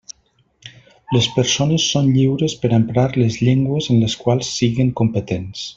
Les persones són lliures per a emprar les llengües en les quals siguen competents.